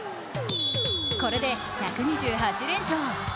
これで１２８連勝。